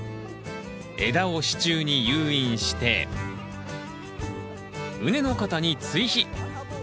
枝を支柱に誘引して畝の肩に追肥。